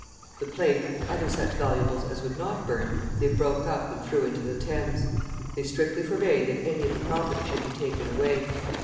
The plate, and other such valuables as would not burn, they broke up and threw into the Thames. They strictly forbade that any of the property should be taken away.